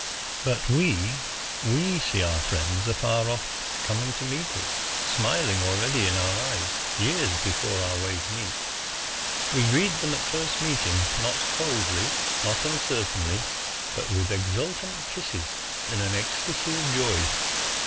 But we we see our friends afar off coming to meet us, smiling already in our eyes, years before our ways meet. We greet them at first meeting, not coldly, not uncertainly, but with exultant kisses, in an ecstasy of joy.